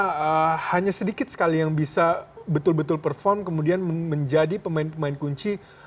dan apabila di timnas pun mereka hanya sedikit sekali yang bisa betul betul perform kemudian menjadi pemain pemain kunci bagi timnas indonesia